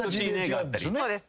そうです